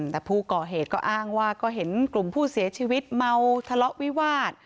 แต่ผู้ก่อเหตุก็อ้างว่าก็เห็นกลุ่มผู้เสียชีวิตเมาทะเลาะวิวาส